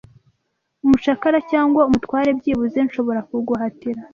umucakara cyangwa umutware byibuze nshobora kuguhatira